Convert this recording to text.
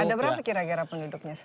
ada berapa kira kira penduduknya